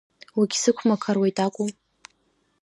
Уагьсықәмақаруеит акәу?